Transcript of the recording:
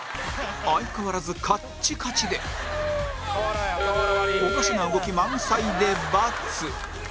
相変わらずカッチカチでおかしな動き満載で×